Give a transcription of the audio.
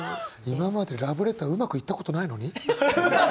今までラブレターうまくいったことないのに？